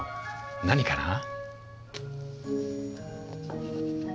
何かな？